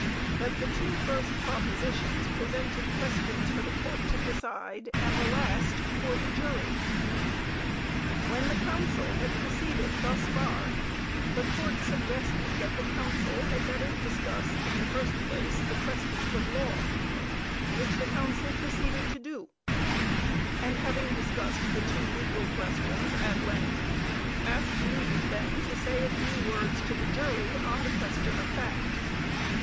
That the two first propositions presented questions for the Court to decide, and the last for the jury. When the counsel had proceeded thus far, the Court suggested that the counsel had better discuss in the first place the questions of law; which the counsel proceeded to do, and having discussed the two legal questions at length, asked leave then to say a few words to the jury on the question of fact.